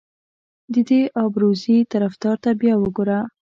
دې د ابروزي طرفدار ته بیا وګوره.